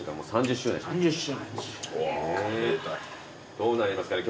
どうなりますかね